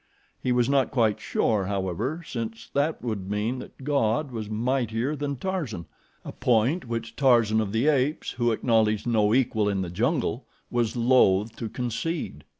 He was not quite sure, however, since that would mean that God was mightier than Tarzan a point which Tarzan of the Apes, who acknowledged no equal in the jungle, was loath to concede.